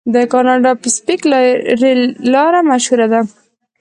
د کاناډا پیسفیک ریل لار مشهوره ده.